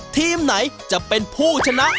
ทีมไหนจะเป็นผู้ชนะ